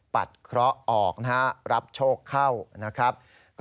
เคราะห์ออกนะฮะรับโชคเข้านะครับ